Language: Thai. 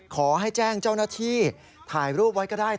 ขอให้แจ้งเจ้าหน้าที่ถ่ายรูปไว้ก็ได้